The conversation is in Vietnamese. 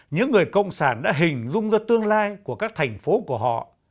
những người cộng sản đã hình dung ra tương lai của các thành phố của họ